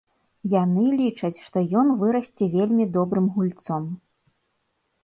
Яны лічаць, што ён вырасце вельмі добрым гульцом.